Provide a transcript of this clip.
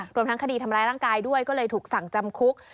รวมทั้งคดีทำร้ายร่างกายด้วยก็เลยถูกสั่งจำคุก